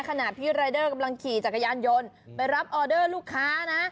ขณะพี่รายเดอร์กำลังขี่จักรยานยนต์ไปรับออเดอร์ลูกค้านะ